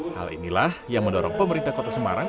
hal inilah yang mendorong pemerintah kota semarang